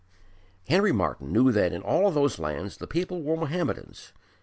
Henry Martyn knew that in all those lands the people were Mohammedans.